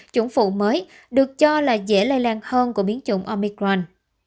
chủng phụ mới được cho là dễ lây lan hơn của biến chủng omicron